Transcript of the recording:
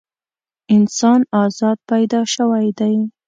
انسان ازاد پیدا شوی دی.